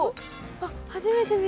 あっ初めて見る。